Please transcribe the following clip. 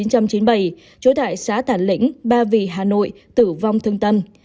trốn tại xã tản lĩnh ba vì hà nội tử vong thương tân